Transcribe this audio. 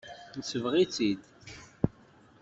Nesbeɣ-itt-id.